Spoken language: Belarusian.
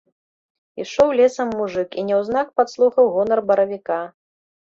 Ішоў лесам мужык і няўзнак падслухаў гонар баравіка.